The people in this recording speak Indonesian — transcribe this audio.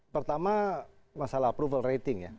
pertama masalah approval rating ya